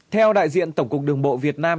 theo đại diện tổng cục đường bộ việt nam